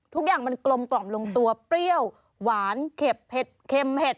ทุกอย่างมันกลมกล่อมลงตัวเปรี้ยวหวานเข็บเผ็ดเค็มเผ็ด